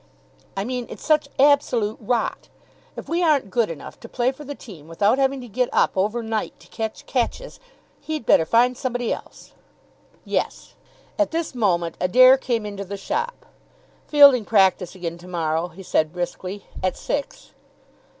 "I mean, it's such absolute rot. If we aren't good enough to play for the team without having to get up overnight to catch catches, he'd better find somebody else." "Yes." At this moment Adair came into the shop. "Fielding practice again to morrow," he said briskly, "at six."